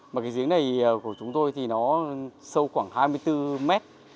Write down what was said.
mà cái giếng này của chúng tôi thì nó sâu khoảng hai mươi bốn mét